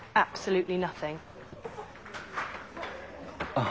ああ。